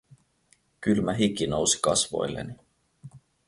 Kylmä hiki nousi kasvoilleni!